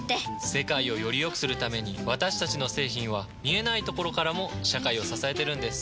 世界をよりよくするために私たちの製品は見えないところからも社会を支えてるんです。